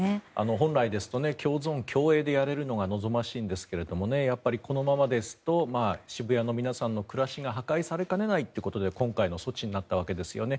本来ですと共存共栄でやれるのが望ましいんですけどやはりこのままですと渋谷の皆さんの暮らしが破壊されかねないということで今回の措置になったわけですよね。